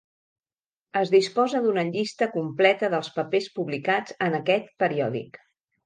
Es disposa d'una llista completa dels papers publicats en aquest periòdic.